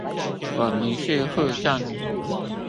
我們是戶政